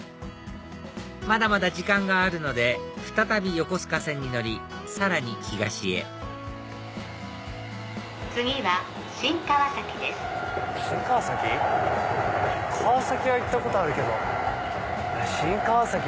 まだまだ時間があるので再び横須賀線に乗りさらに東へ次は新川崎です。